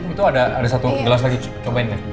itu ada satu gelas lagi cobain ya